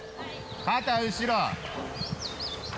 肩後ろ。